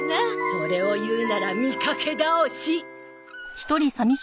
それを言うなら見かけ倒し！